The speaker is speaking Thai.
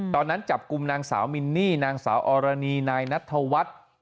ตอนนั้นจับกลุ่มนางสาวมินนี่นางสาวอรณีนายนัทธวัฒน์